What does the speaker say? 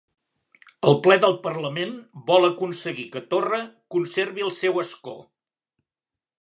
El ple del parlament vol aconseguir que Torra conservi el seu escó